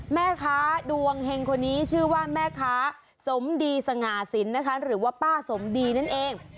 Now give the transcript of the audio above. แม่ค้าดวงเฮงคนนี้ชื่อว่าแม่ค้าสมดีสง่าสินนะคะหรือว่าป้าสมดีนั่นเอง